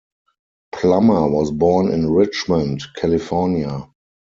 Plummer was born in Richmond, California.